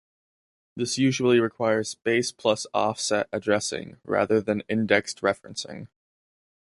This usually requires "base plus offset" addressing, rather than indexed referencing.